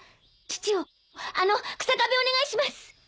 父をあの草壁をお願いします。